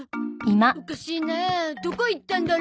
おかしいなどこいったんだろう？